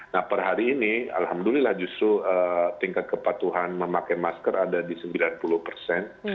nah per hari ini alhamdulillah justru tingkat kepatuhan memakai masker ada di sembilan puluh persen